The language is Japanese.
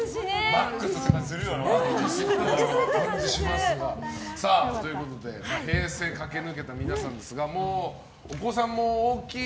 ＭＡＸっていう感じするよな。ということで平成を駆け抜けた皆さんですがもうお子さんも大きい。